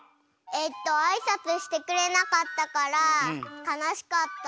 えっとあいさつしてくれなかったからかなしかった。